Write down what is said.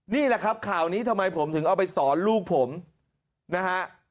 นี่แหละครับข่าวนี้ทำไมผมถึงเอาไปสอนลูกผมนะฮะ